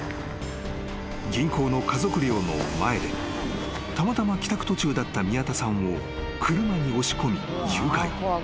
［銀行の家族寮の前でたまたま帰宅途中だった宮田さんを車に押し込み誘拐］